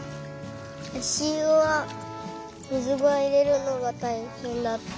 あしゆは水をいれるのがたいへんだった。